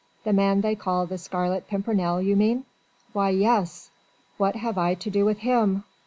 "The man they call the Scarlet Pimpernel you mean?" "Why, yes!" "What have I to do with him?"